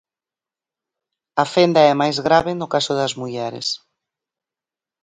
A fenda é máis grave no caso das mulleres.